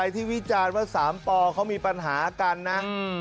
ที่วิจารณ์ว่าสามปเขามีปัญหาการน้ำอืม